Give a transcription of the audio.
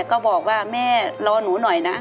ก็บอกว่าแม่รอหนูหน่อยนะ